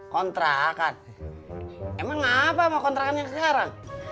kontrakan emang ngapa mau kontrakan neke sekarang